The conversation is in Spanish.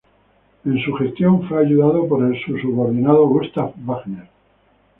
En su gestión fue ayudado por su subordinado, Gustav Wagner.